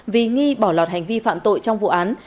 vì nghi bỏ lọt hành vi phạm tội trong vụ án